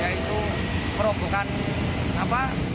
jadi ya itu merobohkan apa